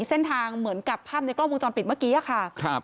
เส้นทางเหมือนกับภาพในกล้องวงจรปิดเมื่อกี้ค่ะ